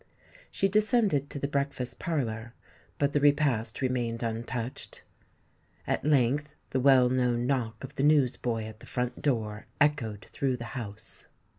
She descended to the breakfast parlour; but the repast remained untouched. At length the well known knock of the news boy at the front door echoed through the house.